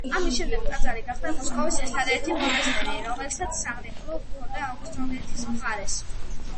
ამის შემდეგ ტაძარი გახდა მოსკოვის ერთადერთი მონასტერი, რომელსაც სამრეკლო ჰქონდა აღმოსავლეთის მხარეს.